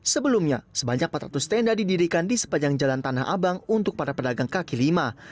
sebelumnya sebanyak empat ratus tenda didirikan di sepanjang jalan tanah abang untuk para pedagang kaki lima